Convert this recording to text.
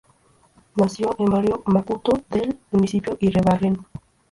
Nació en Barrio Macuto del Municipio Iribarren.